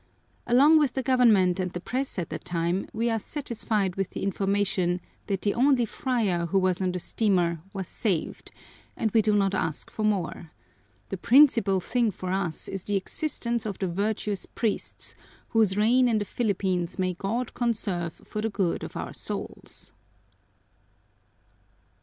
Along with the government and the press at the time, we are satisfied with the information that the only friar who was on the steamer was saved, and we do not ask for more. The principal thing for us is the existence of the virtuous priests, whose reign in the Philippines may God conserve for the good of our souls.